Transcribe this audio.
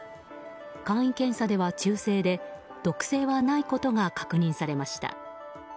簡易検査では中性で毒性はないことが確認されました。